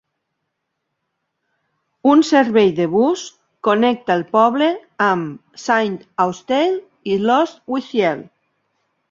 Un servei de bus connecta el poble amb Saint Austell i Lostwhithiel.